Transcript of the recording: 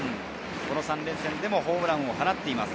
３連戦でもホームランを放っています。